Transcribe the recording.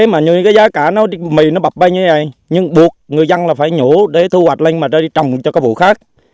mì nó bập bay như vậy nhưng buộc người dân là phải nhổ để thu hoạch lên mà ra đi trồng cho các vụ khác